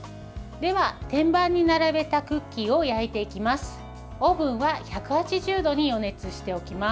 では、天板に並べたクッキーを焼いていきます。